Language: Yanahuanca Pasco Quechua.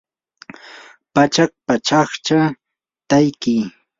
pachak pachakcha tatki